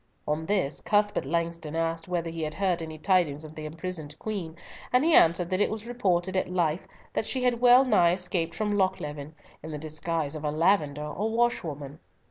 On this, Cuthbert Langston asked whether he had heard any tidings of the imprisoned Queen, and he answered that it was reported at Leith that she had well nigh escaped from Lochleven, in the disguise of a lavender or washerwoman.